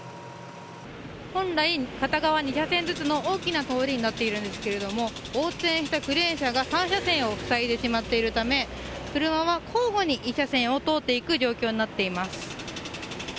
本来、片側２車線ずつの大きな通りになっているんですが横転したクレーン車が３車線を塞いでしまっているため車は交互に１車線を通っていく状況になっています。